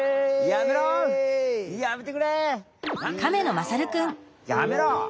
やめろ！